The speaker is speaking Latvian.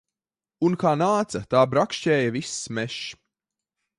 Un kā nāca, tā brakšķēja viss mežs.